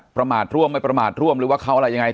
ประมาทร่วมไม่ประมาทร่วมหรือว่าเขาอะไรยังไง